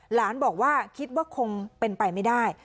หลานบอกว่าคิดว่าคงเป็นไปไม่ได้